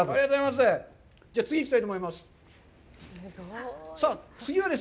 じゃあ次行きたいと思います。